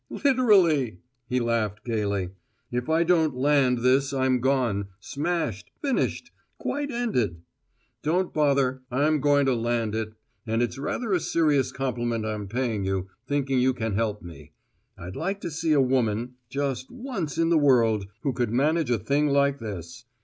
"Literally!" He laughed gayly. "If I don't `land' this I'm gone, smashed, finished quite ended! Don't bother, I'm going to `land' it. And it's rather a serious compliment I'm paying you, thinking you can help me. I'd like to see a woman just once in the world who could manage a thing like this."